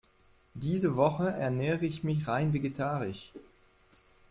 Diese Woche ernähre ich mich rein vegetarisch.